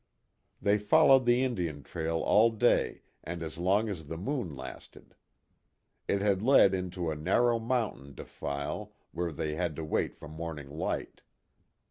They followed the Indian trail all day and as long as the moon lasted. It had led into a narrow mountain defile where they had to wait for morning light.